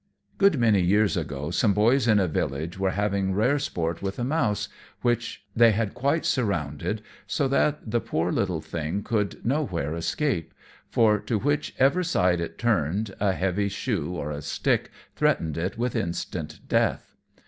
_ A good many years ago some boys in a village were having rare sport with a mouse which they had quite surrounded, so that the poor little thing could nowhere escape, for to which ever side it turned, a heavy shoe, or a stick, threatened it with instant death.